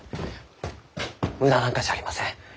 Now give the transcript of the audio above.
無駄なんかじゃありません。